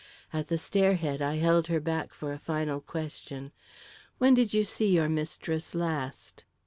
At the stairhead I held her back for a final question. "When did you see your mistress last?"